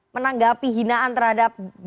menanggapi hinaan terhadap